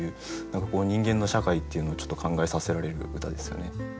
何かこう人間の社会っていうのをちょっと考えさせられる歌ですよね。